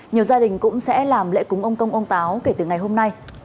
nhiều gia đình cũng sẽ làm lễ cúng ông công ông táo kể từ ngày hôm nay